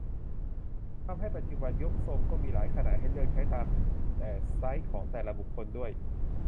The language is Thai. ทำให้ปัจจุบันยกทรงก็มีหลายขนาดให้เลือกใช้ตามแต่ไซซ์ของแต่ละบุคคลด้วย